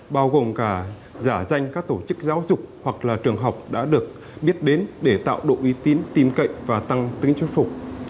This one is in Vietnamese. bao gồm cả giả danh các tổ chức giáo dục hoặc là trường học đã được biết đến để tạo độ uy tín tin cậy và tăng tính thuyết phục